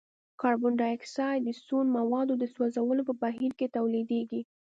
کاربن ډای اکسايډ د سون موادو د سوځولو په بهیر کې تولیدیږي.